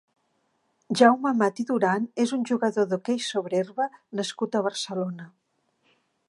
Jaume Amat i Duran és un jugador d'hoquei sobre herba nascut a Barcelona.